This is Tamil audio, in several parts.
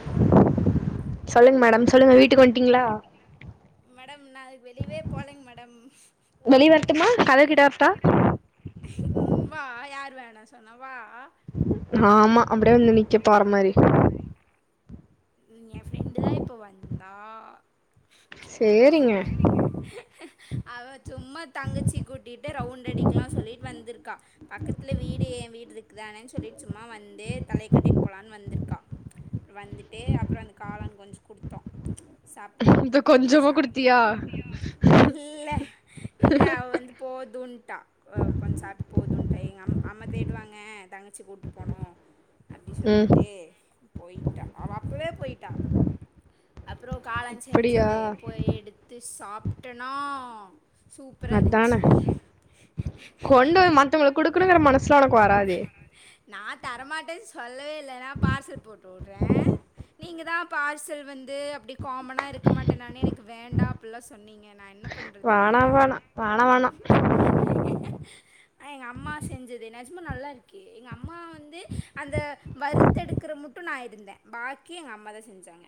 ஹலோ சொல்லுங்க மேடம் சொல்லுங்க வீட்டுக்கு வந்ட்டீங்ளா மேடம் நா வெளியவே போலைங்க மேடம் வெளிய வரட்டுமா கதவு கிட்ட வரட்டா ம் வா யார் வேணாணு சொன்னா வா ஆமா அப்டியே வந்து நிக்க போற மாரி ஏ ஃப்ரெண்டு தா இப்ப வந்தா சேரிங்க அவ சும்மா தங்கச்சி கூட்டிட்டு ரவுண்ட் அடிக்கலா சொல்லிட்டு வந்துருக்கா பக்கத்துல வீடு ஏ வீடு இருக்குதானு சொல்லிட்டு சும்மா வந்து தலைய காட்டிட்டு போலான் வந்துருக்கா வந்துட்டு அப்புற அந்த காளன் கொஞ்சோ குடுத்தோ சாப்டா இது கொஞ்சமா சாப்டு குடுத்தியா இல்ல இல்ல அவ வந்து போதுன்ட்டா கொஞ்ச சாப்டு போதுன்ட்டா எங் அம்ம தேடுவாங்க தங்கச்சி கூப்ட்டு போனு அப்டி ம் சொல்லிட்டு போயிட்டா அவ அப்பவே போய்ட்டா அப்புற காலான் அப்படியா செஞ்சுது போய் எடுத்து சாப்ட்டனா சூப்பரா இருந்ச்சு அதான கொண்டு மத்தவங்களுக்கு குடுக்கணுங்கற மனசெல்ல ஒனக்கு வராதே நா தரமாட்டேன் சொல்லவே இல்ல ன்னா பார்சல் போடு சொல்றே நீங்க தா பார்சல் வந்து அப்டி காமனா இருக்க மாட்டே நானு எனக்கு வேண்டா அப்டியெல்லா சொன்னீங்க நா என்ன பண்றதுங்க வேணா வேணா வேணா வேணா எங்க அம்மா செஞ்சது நெஜமா நல்லா இருக்கு எங்க அம்மா வந்து அந்த வருத் தெடுக்கிற முட்டு நா இருந்தே பாக்கி எங்க அம்மா தா செஞ்சாங்க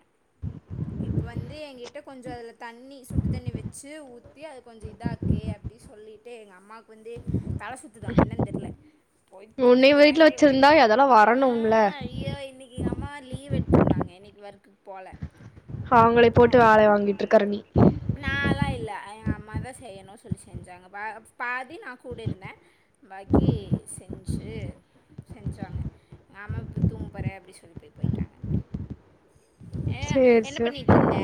இப்ப வந்து எங்கிட்ட கொஞ்ச அதுல தண்ணி சுடு தண்ணி வச்சு ஊத்தி அது கொஞ்ச இதாக கி அப்டி சொல்லிட்டு எங்க அம்மாக்கு வந்து தல சுத்துதாமே என்னனு தெரியல போய் உன்னைய வீட்ல தூங்குறேன் சொல்லிட்டு வச்சிருந்தா அதெல்லா ஆ வரணும்ல அய்யோ இன்னைக்கு எங்க அம்மா லீவ் எடுத்திருந்தாங்க இன்னைக்கு ஒர்க்குக்கு போல அவங்கள போட்டு வேல வாங்கிட்டு இருக்கற நி நால்லா இல்ல எங்க அம்மா தா செய்யனு சொல்லி செஞ்சாங்க பாதி நா கூட இருந்தே மேக்கி செஞ்சு செஞ்சாங்க ஆமா இப்ப தூங்கபோறே அப்டி சொல்லி போய் போயிட்டாங்க ஏ சேரி என்ன சேரி பண்ணிட்டு இருந்த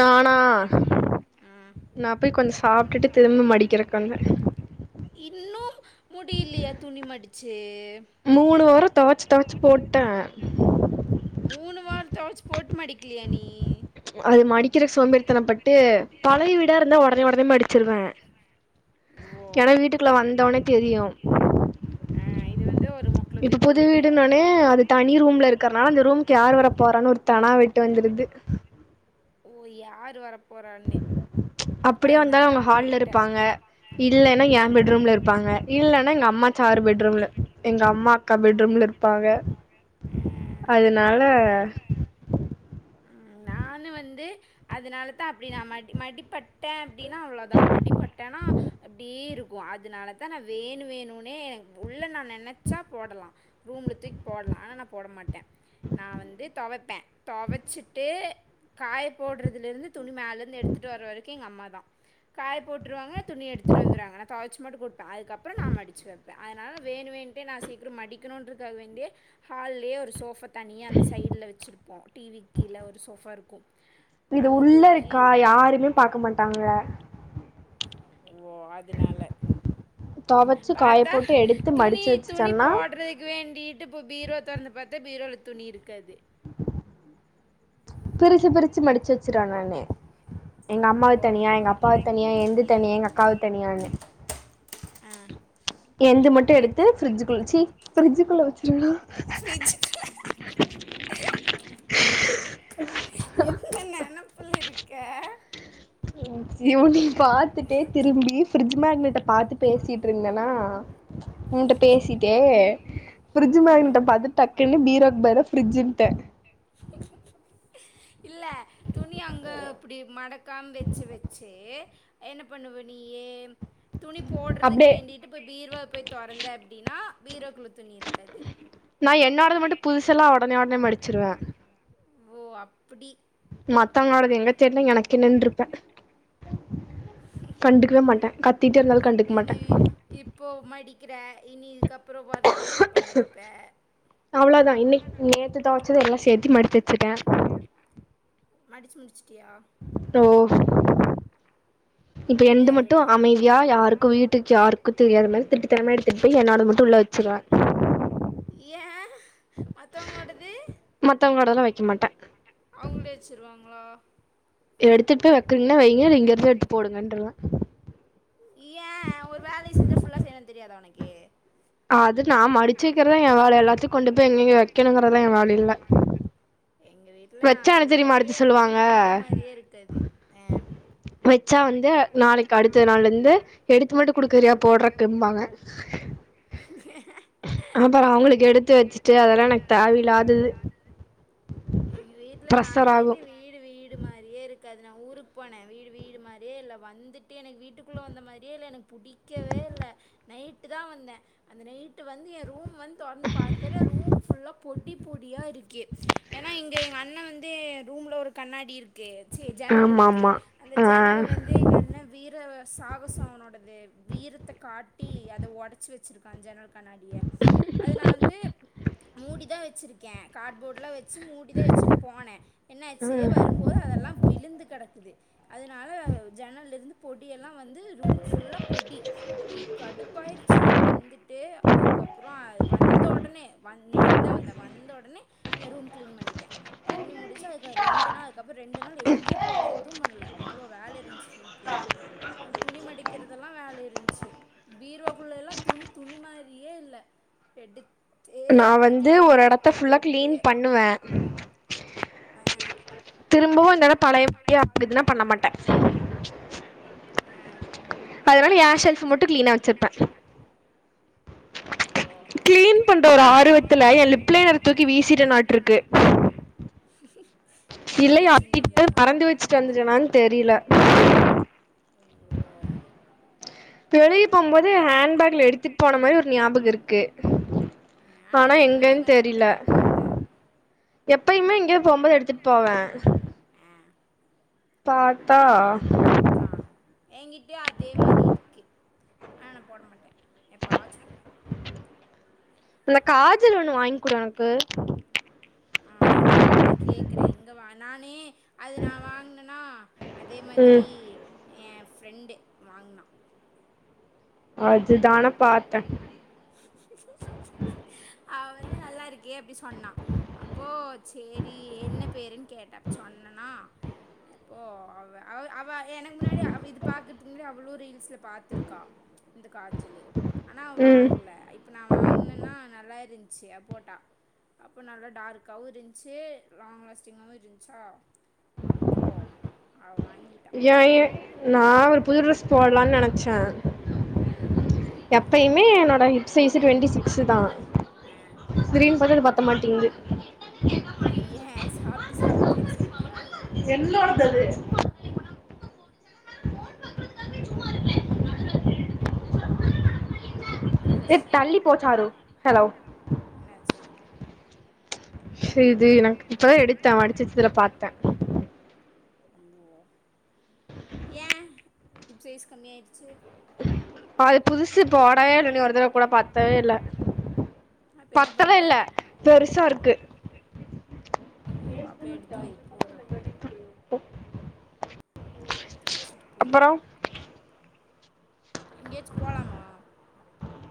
நானா ம். நா போய் கொஞ்சோ சாப்ட்டுட்டு திரும்ப மடிக்குறதுக்கு வந்தே இன்னு முடியல்லையா துணி மடுச்சு மூனு வாரோ தொவச்சு தொவச்சு போட்டே மூனு வார தொவச்சு போட்டு மடிக்கலியா நீ அது மடிக்கிற சோம்பேரித்தனம் பட்டு பழைய வீடா இருந்தா ஒடனே ஒடனே மடுச்சிருவே ஓ ஏன்னா வீட்டுக்குள்ள வந்தோனே தெரியு ஆ இது வந்து ஒரு முக் இது புது வீடுனோனே அது தனி ரூம்ல இருக்குறனால அந்த ரூம்க்கு யார் வர போறான்னு ஒரு தெனாவெட்டு வந்துருது ஓ யாரு வர போறான்னு அப்டியே வந்தாலு அவுங்க ஹால்ல இருப்பாங்க இல்லன்னா ஏ ம் பெட்ரூம்ல இருப்பாங்க இல்லன்னா எங்க அம்மா சாறு பெட்ரூம்ல எங்க அம்மா அக்கா பெட் ரூம்ல இருப்பாங்க ம் அதனால ம் நானு வந்து அதனால தா அப்டி நா மடி மடிப்பட்டே அப்டின்னா அவ்வளோதா மடிப்பட்டேன்னா அப்டியே இருக்கு அதனாலதா நா வேணு வேணுனே உள்ள நா நெனச்சா போடலா ரூம்ல தூக்கி போட்லா ஆனா நா போட மாட்டே நா வந்து தொவப்பே தொவ ச்சுட்டு காய போடுறதுல இருந்து துணி மேலே இருந்து எடுத்துட்டு வர வரைக்கு எங்க அம்மா தா காய போட்டுருவாங்க துணி எடுத்துட்டு வந்துருவாங்க நா தொவச்சு மட்டு குடுப்பே அதுக்கப்பறோ நா மடுச்சு வெப்பே அதனால வேணு வேணு ஏனா நா சீக்கிரம் மடிக்கணும்ன்றக்காக வேண்டி ஹால்லயே ஒரு சோஃபா தனியா அந்த சைடுல வச்சிருப்போ டிவிக் கீழ ஒரு சோஃபா இருக்கு இது உள்ள இருக்கா யாருமே பாக்க மாட்டாங்க [unintelligible] இதுனால துவச்சு காய பாத்தா போட்டு எடுத்து துணி மடிச்சு துணி வச்சுட்டன்னா போடறக்கு வேண்டி ட்டு இப்போ பீரோ தொறந்து பாத்தா பீரோல துணி இருக்காது பிரிச்சி பிரிச்சி மடிச்சி வச்சிருவ நானே எங்க அம்மாது ஓ தனியா எங்க அப்பாது தனியா எந்து தனியா எங்க அக்காது தனியான்னு ஆ எந்து மட்டு எடுத்து ஃபிரிட்ஜ்குள்ள பிரிட்ஜுக்குள்ள வச்சிருவலா எந்த நெனைப்புல இருக்க இவ்னிங் பாத்துட்டே திரும்பி ஃப்ரிட்ஜ் மேக்னட்ட பாத்து பேசிட்டு இருந்தனா ஊன்ட்ட பேசிட்டே ஃபிரிட்ஜ் மேக்னட்ட பாத்துட்டு டக்குண்ணு பீரோ பதில ஃப்ரி்ட்ஜ்ன்ட்ட இல்ல துணி அங்க இப்டி மடக்காம வெச் வெச்சே என்ன பண்ணுவ நீயே துணி போடறதுக்கு அப்டியே வேண்டிட் ப்ப பீர்வா போய் தொறந்த அப்டின்னா பீரோக்குள்ள துணி இருக்காது நா என்னோடத மட்டு புதுசெல்லா உடனே உடனே மடிச்சிருவே ஓ அப்பிடி மத்தவங்களோடது எங்க தெர்ல எனக்கு என்னென்ருப்பே கண்டுக்கவே மாட்டே கத்திட்டே இருந்தாலு கண்டுக்கமாட்டே இனி இப்போ மடிக்கிற இனி இதுக்கப்புறோ வர துணி எப்போ மடிப்ப அவ்ளதா இன்னைக் நேத்து தொவச்சதே எல்லா சேத்தி மடிச்சி வச்சுட்டே மடிச்சி முடிச்சிட்டியா டோஃப் இப்ப வீட்ல எந்து யாரு மட்டு இல்லையா அமைதியா யாருக்கு வீட்டுக்கு யாருக்கு தெரியாத மாரி திருட்டுதனமா எடுத்துட்டு போய் என்னோடது மட்டு உள்ள வச்சிருவ ஏ மத்தவங்கலோடது மத்தவங்களோடதெல்லா வைக்க மாட்டே அவங்கள்டே வச்சிருவாங்களா எடுத்துட்டு போய் வக்ரீங்கனா வைங்க இங்கருந்து எடுத்து போடுங்கன்ருவ ஏ ஒரு வேலய செஞ்சா ஃபுல்லா செய்யணு தெரியாதா ஒனக்கு அது நா மடிச்சி வக்கிறதா ஏ வேல எல்லாத்து கொண்டு போய் எங்கங்க வைக்கணுங்கிறதலா ஏ வேலல்ல எங்க வீட்ல நா தெரியுமா இல்லாட்டி அடுத்து எங்க சொல்லுவாங்க வீடு வீடு மாரியே இருக்காது ஆ வச்சா வந்து நாளைக் க்க அடுத்த நாள்லந்து எடுத்து மட்டு குடுக்குறியா போடறக்கிம்பாங்க அ அப்புறோ அவுங்களுக்கு எடுத்து வச்சுட்டு அதெல்லா எனக்கு தேவை இல்லாதது எங்க வீட்ல நா ஆகு இல்லாட்டி வீடு வீ டு மாரியே இருக்காது நா ஊருக்கு போன வீடு வீடு மாரியே இல்ல வந்துட் ட்டு எனக்கு வீட்டுக்குள்ள வந்த மாரியே இல்ல எனக்கு புடிக்கவேல்ல நைட்டுதா வந்தே அந்த நைட்டு வந்து ஏ ரூம் வந்து தொறந் பாக்குற ரூம் ஃபுல்லா பொடி பொடியாருக்கு ஏன்னா இங்க எங்க அண்ண வந்து ரூம்ல ஒரு கண்ணாடி இருக் கு சீ ஜன்னல் ஆமா இருக்கு ஆமா அந்த ஆ ஜன்னல வந் அது எங்க அண்ண வீர சாகசோ அவனோடது வீரத்த காட்டி அத ஒடச்சி வச்சிருக்கா ஜன்னல் கண்ணாடிய அது நா வந்து மூடிதா வச்சிருக்கே காட்போட்லா வச் சி மூடிதா வச்சிட் போனே என்ன ஆச்சி வரும்போது அதெல்லா விழுந்து கெடக் க்குது அதனால ஜன்னலருந்து பொடியெல்லா வந்து ரூம் ஃபுல்லா பொடி ஏ கடுப்பாயிருச்சி வந்துட்டு அதுக்கப்புறோ வந்த ஒடனே வந் நை த்தா வந்த வந்த ஒடனே ஏ ரூம் கிளீன் பண்ணிட்டே பண்ணி முடிச்சு அதுக்கு ரெண்டு நாள் அதுக்கப்புறு ரெண்டு நாள் எங்கியு போல எதும் பண்ல அவ்ளோ வேல இருந்ச்சு வீட்ல நா துணி மடிக்கிறதெல்லா வேல இருந் ச்சு பீரோகுள்ளலா துணி துணி மாரியே இல்ல எடு நான் வந்து ஒர் எடத்த ஃபுல்லா போட்டு கிளீன் பண்ணுவ ஆ திரும்பவு அந்த எடொ பழையபடியே ஆகுதுனா பண்ண மாட்ட ஆ ஆனா அதுனால நா ஏன் ஷெல்ஃபு மட்டு கிளீனா வச்சிர்ப்ப ஓ கிளீன் பண்ற ஒரு ஆர்வத்துல என் லிப்ளைனர தூக்கி வீசிட்டனாட்ருக்கு முடிஞ்சுர்ச்சின் சொல்லியா வீச் எறிஞ்சிட்டேனான் தெரில ஓ வெளிய போம்போது ஹேண்ட்பேக்ல எடுத்துட் போன மாரி ஒரு ஞாபகோ இருக்கு ஆனா அன்னைக்கு எங்க எங்கன் வீட்டுக்கு வந்தப்ப தெரில போட்ருந்த எப்பயுமே எங்யாது போம்போது எடுத்துட் போவ ஆ காணு எங்கிட்டயு அதே மாரி இருக்கு ஆனா நான் போட மாட்டே எப்பவாச்சு போடுவே இந்த காஜல் ஒன்னு வாய்ங்க்குடு எனக்கு ஆ அது எங்க அம்மாட் நான் கேக்குறே எங்க வா நானு அது நான் வாங்னனா அதே ம் மாதிரி என் ஃப்ரெண்டு வாங்னா அதுதான பாத்த அவ வந்து நல்லா இருக்கே அப்டி சொன்னா அப்போ சேரி என்ன பேருன் கேட்டா சொன்னனா அப்போ அவ அவ அவ எனக்கு முன்னாடியே அவ இது பாக்கற்துக்கு முன்னாடி அவளு ரீல்ஸ்ல பாத்துருக்கா இந்த காஜலு ஆனா அவ ம் வாங்குல இப்ப நான் வாங்னனா நல்லா இருந்ச்சு அவ் போட்டா அப்போ நல்லா டார்க்காவு இருந்ச்சு லாங் லாஸ்ட்டிங்காவு இருந்ச்சா அப்போ அவ வாங்கி ஏன் ஏ நான் ஒரு புது டிரெஸ் போட்லான் நெனச்ச ஆ எப்பயுமே என்னோட ஹிப் சைஸு டுவென்ட்டி சிக்ஸுதா ஆ திடீர்னு பாத்தா அது பத்த மாட்டேங்குது ஏன் சாப்டு சாப்டு பெருசாய்ட்டியா என்னோடதது அது ஏ என்னாச்சு தள்ளி போ சாரு ஹலோ என்னாச்சு சே இது எனக்கு இப்பதா எடுத்த மடிச்சு வச்சதுல பாத்த ஏன் ஹிப் சைஸ் கம்மியாய்டுச்சு அது புதுசு போடவே இல்ல இன்னி ஒருதவட கூட பத்தவே இல்ல அப்போ என்ன பத்தவே பண்ணுவ இல்ல பெருசா இருக்கு ஓ அப்ப எடுத்து வை போட்றோ போ எடுத்து வச்சுட்டு போடு எங்யாச்சு போலாமா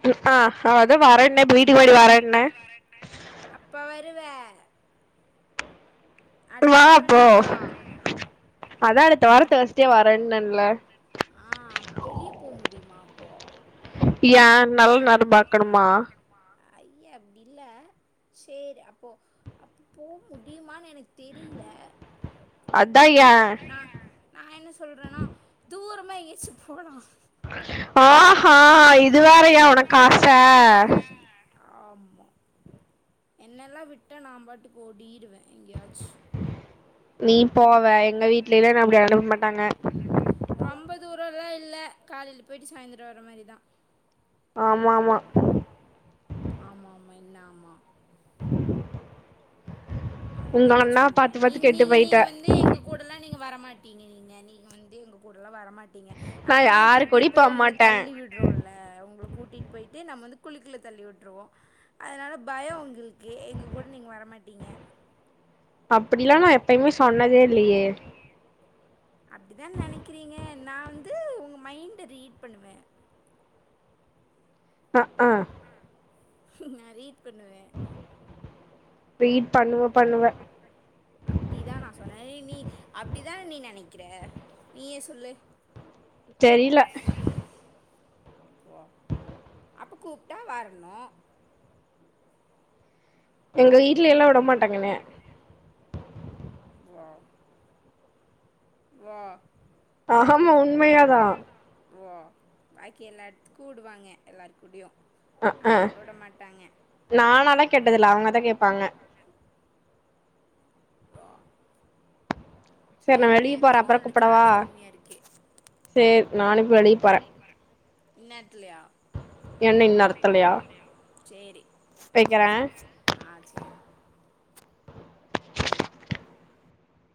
ம் ஆ ஹா அதா வர்றேன்ன இப்ப வீட்டுக்கு போய்ட்டு வர்றன்ன அப்ப வருவ அடுத்த வா வாரோ அப்போ நீ வா அதா அடுத்த வாரோ தேர்ஸ்டே வரேன்னேன்ல ஆ வெளிய போ முடியுமா அப்போ ஏன் நல் நேரோ பாக்கணுமா ஐய அப்டி இல்ல சேரி அப்போ அப்ப போ முடியுமான் எனக் தெரியில அத்தா எ நா நா என்ன சொல்றேன்னா தூரமா எங்கயாச்சு போலா ஆஹா இது வேறயா உனக் ஆச ஆமா என்னெல்லா விட்டா நா பாட்டுக்க ஓடிடுவே எங்கயாச்சு நீ போவ எங்க வீட்லிலா என்ன அப்டி அனுப்ப மாட்டாங்க ரொம்ப தூரோல்லா இல்ல காலையில போயிட்டு சாய்ந்திரோ வர மாரிதா ஆமா ஆமா ஆமா ஆமா இன்னா ஆமா [inaudible] அது உங்க மார்தா அண்ணா சொன்னே பாத்து பாத்து நீங்க கெட்டு நீங்க போயிட்ட நீங்க வந்து எங்க கூடல்லா நீங்க வரமாட்டீங்க நீங்க நீங்க வந்து எங்க கூடலா வரமாட் டிங்க நான் நம்மதா யாரு கூடயும் கூட்டிட்டு போ உங்கள மாட்டேன் தள்ளி வி டுவோல்ல உங்கள கூட்டிட் போயிட்டு நம்ம வந்து குழிக்குள்ள தள்ளி விட்ருவோ அதனால பயோ உங்களுக்கு எங்க கூட நீங்க வரமாட்டீங்க அப்படிலா நா எப்பயுமே சொன்னதே இல்லயே அப்படிதா நெனைக்கிறீங்க நா வந்து உங்க மைண்ட ரீட் பண்ணுவே ஆ ஆ நா ரீட் பண்ணுவே ரீட் பண்ணுவ பண்ணுவ அப்டி தா நா சொன்ன நீ நீ அப்டிதா நீ நெனைக்கிற நீயே சொல்லு தெரில போ அப்போ கூப்ட்டா வரணு எங்க வீட்லெல்லா விடமாட்டாங்க என்னய [unintelligible] வா ஆமா உண்மயாதா ஓ பாக்கி எல்லா எடத்துக்கு வுடுவாங்க எல்லாரு கூடியு நம்ம கூட வுட மாட்டாங்க நானாலா கேட்டதில்ல அவங்கதா கேப்பாங்க கா செர் நா வெளிய போறே அப்பற ஃபோனில் கூப்படவா சார்ஜ் கம்மியாக இருக்கு சேர் நானு இப் வெளிய போறே இந்நேர்த்துலியா என்ன இன்னும் சேரி வெக்கறே ஆ சேரி